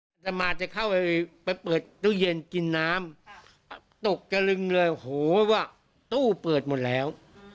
อัตมาจะเข้าไปเปิดตู้เย็นกินน้ำตกตะลึงเลยโอ้โหว่าตู้เปิดหมดแล้ว